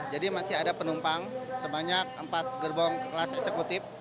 jadi masih ada penumpang sebanyak empat gerbong kelas eksekutif